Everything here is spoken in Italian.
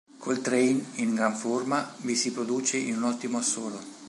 Coltrane, in gran forma, vi si produce in un ottimo assolo.